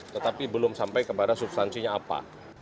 tetapi belum sampai kepada substansinya apa